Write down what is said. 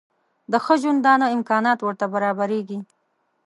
د ښه ژوندانه امکانات ورته برابرېږي.